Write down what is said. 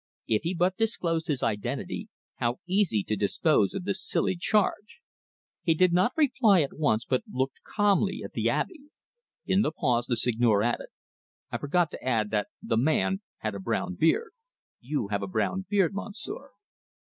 If he but disclosed his identity, how easy to dispose of this silly charge! He did not reply at once, but looked calmly at the Abbe. In the pause, the Seigneur added "I forgot to add that the man had a brown beard. You have a brown beard, Monsieur."